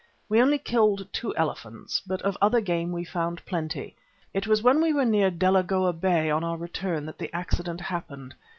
We only killed two elephants, but of other game we found plenty. It was when we were near Delagoa Bay on our return that the accident happened.